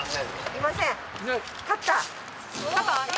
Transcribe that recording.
いません？